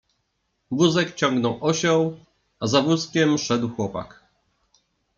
Wózek ciągnął osioł, a za wózkiem szedł chłopak.